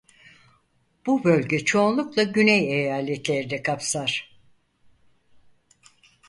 Bu bölge çoğunlukla güney eyaletlerini kapsar.